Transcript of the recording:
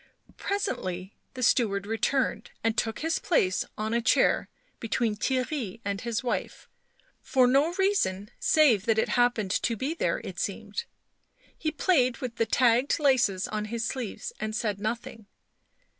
Presently the steward returned, and took his place on a chair between Theirry and his wife, for no reason save that it happened to be there, it seemed. He played with the tagged laces on his sleeves and said nothing.